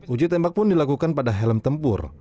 uji tembak pun dilakukan pada helm tempur